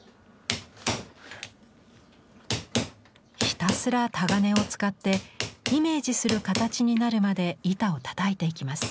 ひたすらタガネを使ってイメージする形になるまで板をたたいていきます。